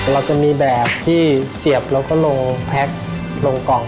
เราจะมีแบบที่เสียบแล้วก็ลงแพ็คลงกล่อง